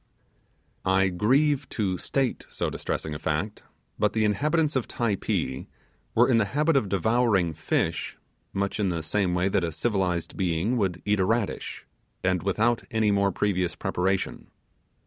I grieve to state so distressing a fact, but the inhabitants of Typee were in the habit of devouring fish much in the same way that a civilized being would eat a radish, and without any more previous preparation.